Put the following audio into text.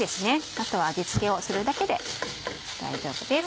あとは味付けをするだけで大丈夫です。